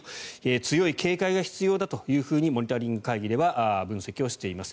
強い警戒が必要だとモニタリング会議では分析しています。